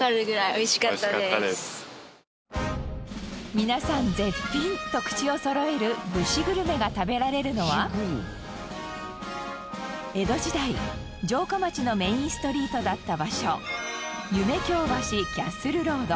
皆さん「絶品」と口をそろえる武士グルメが食べられるのは江戸時代城下町のメインストリートだった場所。